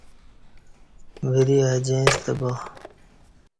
وری ا جیں ستہ با